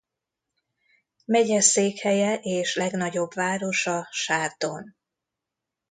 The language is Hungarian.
Megyeszékhelye és legnagyobb városa Chardon.